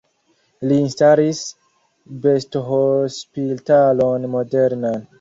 Li instalis bestohospitalon modernan.